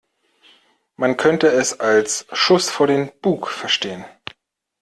Man könnte es als Schuss vor den Bug verstehen.